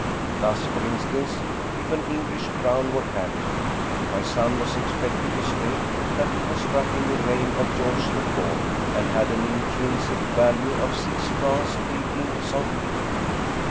Thus, for in stance, if an English crown were handed me, my son was ex pected to state that it was struck in the reign of George IV, and had an intrinsic value of six francs eighteen centimes.